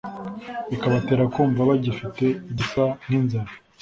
bikabatera kumva bagifite igisa nk’inzara,